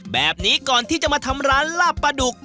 แบบนี้ก่อนที่จะมาทำร้านลาบปลาดุก